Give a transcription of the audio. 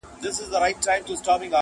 کلونه وروسته هم يادېږي تل,